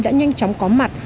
đã nhanh chóng có mặt